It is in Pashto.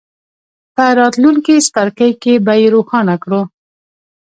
په راتلونکي څپرکي کې به یې روښانه کړو.